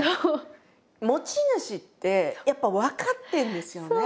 持ち主ってやっぱ分かってるんですよね。